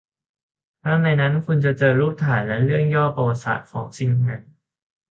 ข้างในนั้น คุณจะเจอรูปถ่ายและเรื่องย่อประวัติศาสตร์ของของสินนั้น